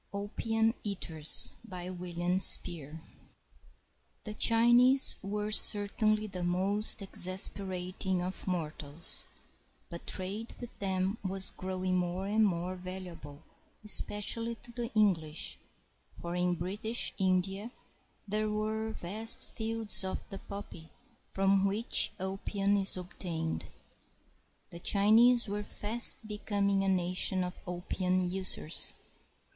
] OPIUM EATERS BY WILLIAM SPEER [The Chinese were certainly the most exasperating of mor tals, but trade with them was growing more and more valu able, especially to the English, for in British India there were vast fields of the poppy from which opium is obtained. The Chinese were fast becoming a nation of opium users.